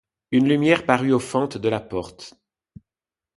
Une lumière parut aux fentes de la porte.